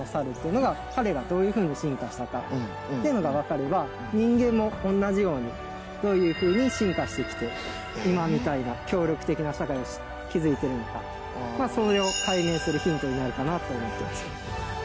そうかっていうのが分かれば人間も同じようにどういうふうに進化してきて今みたいな協力的な社会を築いているのかまあそれを解明するヒントになるかなと思ってます